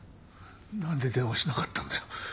何で電話しなかったんだよ。